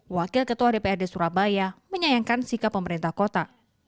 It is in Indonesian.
wakil ketua dprd surabaya menyayangkan sikap pemerintah kota